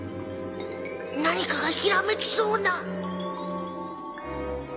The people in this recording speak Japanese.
何かがひらめきそうな！